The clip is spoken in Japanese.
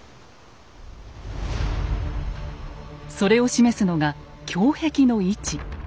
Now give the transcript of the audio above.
それを示すのが胸壁の位置。